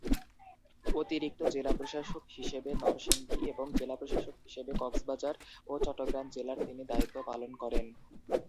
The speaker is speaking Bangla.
অতিরিক্ত জেলা প্রশাসক হিসেবে নরসিংদী এবং জেলা প্রশাসক হিসেবে কক্সবাজার ও চট্টগ্রাম জেলার তিনি দায়িত্ব পালন করেন।